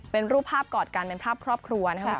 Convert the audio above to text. เป็นรูปภาพกอดกันเป็นภาพครอบครัวนะครับ